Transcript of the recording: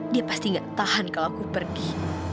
dia pasti gak tahan kalau aku pergi